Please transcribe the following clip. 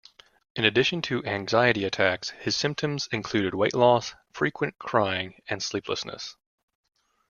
In addition to anxiety attacks, his symptoms included weight loss, frequent crying, and sleeplessness.